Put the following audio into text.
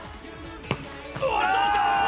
うわっどうか？